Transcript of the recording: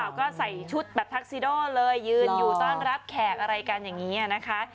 ก็ใส่ชุดแบบทักซิโดเลยยืนอยู่ต้อนรับแขกอะไรกันอย่างนี้นะคะ